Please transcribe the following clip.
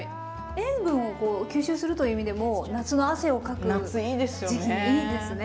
塩分を吸収するという意味でも夏の汗をかく時期にいいですね。